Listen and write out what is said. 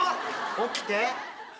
起きて。